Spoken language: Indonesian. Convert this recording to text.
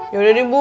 yaudah deh bu